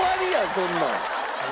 そんなん。